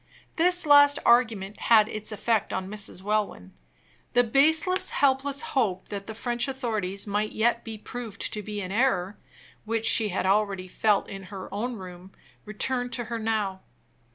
This last argument had its effect on Miss Welwyn. The baseless, helpless hope that the French authorities might yet be proved to be in error, which she had already felt in her own room, returned to her now.